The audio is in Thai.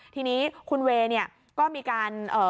ทีนี้คุณเวย์ก็มีการ